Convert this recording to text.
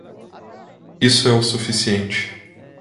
Isso é o suficiente.